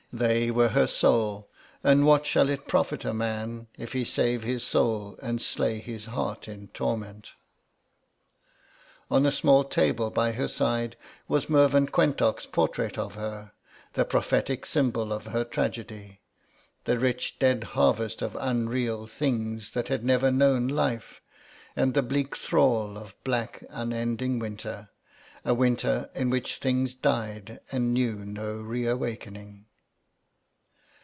They were her soul. And what shall it profit a man if he save his soul and slay his heart in torment? On a small table by her side was Mervyn Quentock's portrait of her—the prophetic symbol of her tragedy; the rich dead harvest of unreal things that had never known life, and the bleak thrall of black unending Winter, a Winter in which things died and knew no re awakening.